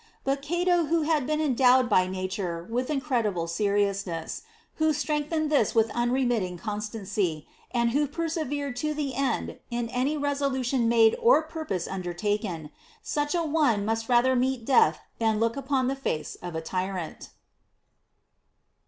But Cato, who had been endowed by nature with incredi ble seriousness, who strengthened this with unremitting constancy, and who persevered to the end in any resolution made or purpose I undertaken, such a one must rather meet death than look upon the face of a tyrant."